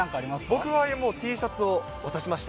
僕はＴシャツを渡しました。